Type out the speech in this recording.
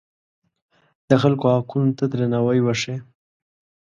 د خلکو حقونو ته درناوی وښیه.